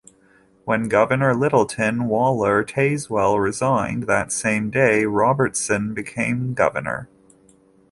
When Governor Littleton Waller Tazewell resigned that same day, Robertson became governor.